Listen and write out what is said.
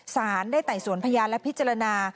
สารได้ไต่สวนพยานและพิจารณา